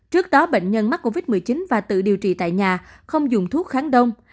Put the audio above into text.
trước đó bệnh nhân mắc covid một mươi chín và tự điều trị tại nhà không dùng thuốc kháng đông